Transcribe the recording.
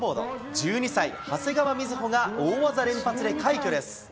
１２歳、長谷川瑞穂が大技連発で快挙です。